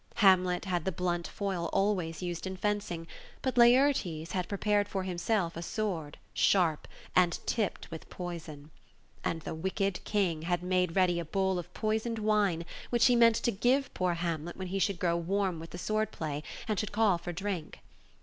Hamlet had the blunt foil always used in fencing, but Laertes had prepared for himself a sword, sharp, and tipped with poison. And the wicked King had made ready a bowl of poisoned wine, which he meant to give poor Hamlet when he should grow warm with the sword play, and should call for drink.